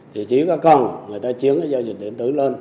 thì chỉ có cần người ta chiếm cái giao dịch điện tử lên